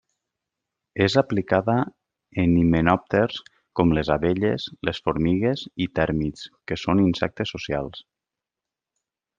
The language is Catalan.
És aplicada en himenòpters com les abelles, les formigues i tèrmits que són insectes socials.